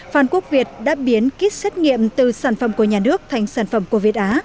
phan quốc việt đã biến kit xét nghiệm từ sản phẩm của nhà nước thành sản phẩm của việt á